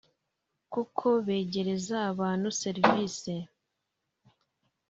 kuko begereza abantu serivise